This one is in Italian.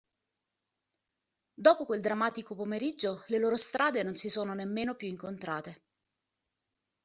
Dopo quel drammatico pomeriggio le loro strade non si sono nemmeno più incontrate.